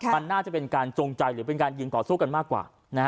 มันน่าจะเป็นการจงใจหรือเป็นการยิงต่อสู้กันมากกว่า